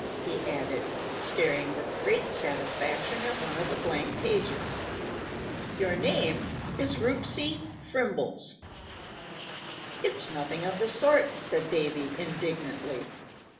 he added, staring with great satisfaction at one of the blank pages. "Your name is Rupsy Frimbles." "It's nothing of the sort," said Davy, indignantly.